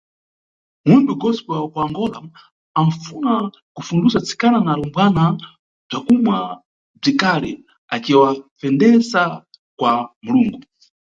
Muyimbi gospel wa kuAngola anfuna kufundusa atsikana na alumbwana mʼbzwakumwa bzwikali, aciwafendeza kwa Mulungu.